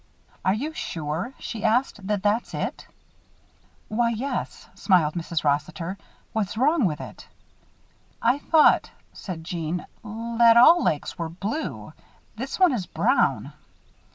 "Are you sure," she asked, "that that's it?" "Why, yes," smiled Mrs. Rossiter. "What's wrong with it?" "I thought," said Jeanne, "that all lakes were blue. This one is brown."